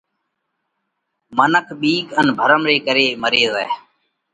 منک ٻِيڪ ان ڀرم ري ڪري مري زائه۔